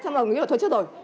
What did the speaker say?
xong rồi nghĩ là thôi chết rồi